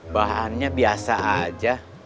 bahannya biasa aja